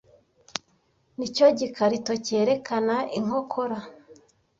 nicyo gikarito cyerekana inkokora